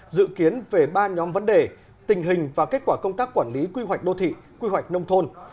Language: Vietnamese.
dự kiến về ba nhóm vấn đề tình hình và kết quả công tác quản lý quy hoạch đô thị quy hoạch nông thôn